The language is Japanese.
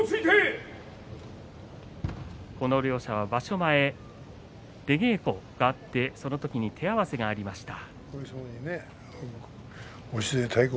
この両者は場所前、出稽古があってそのとき手合わせがありました。